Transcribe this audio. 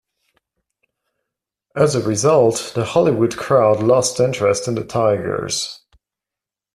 As a result, the Hollywood crowd lost interest in the Tigers.